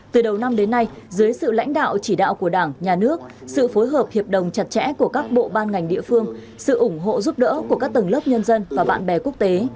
từ đầu năm đến nay dưới sự lãnh đạo chỉ đạo của đảng nhà nước sự phối hợp hiệp đồng chặt chẽ của các bộ ban ngành địa phương sự ủng hộ giúp đỡ của các tầng lớp nhân dân và bạn bè quốc tế